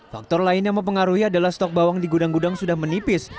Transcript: faktor lain yang mempengaruhi adalah stok bawang di gudang gudang sudah menipis